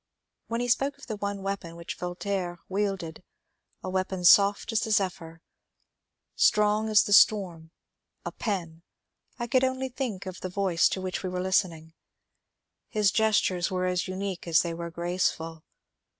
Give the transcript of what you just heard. When he spoke of the one weapon which Voltaire wielded, a weapon soft as the zephyr, strong as the storm — a Pen — I could only think of the voice to which we were listening. His gestures were as unique as they were graceful.